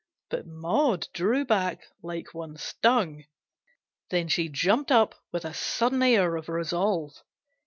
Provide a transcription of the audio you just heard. But Maud drew back like one stung ; then she jumped up with a sudden air of resolve.